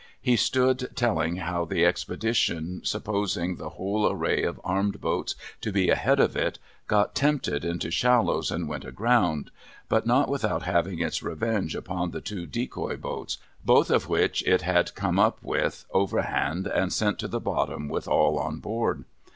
He stood telling how the Expedition, supposing the whole array of armed boats to be ahead of it, got tempted into shallows and went aground; but not without having its revenge upon the two decoy boats, both of which it had come up with, overhand, and sent to the bottom with all on board.